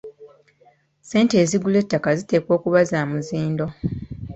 Ssente ezigula ettaka ziteekwa kuba za muzindo.